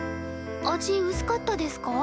味うすかったですか？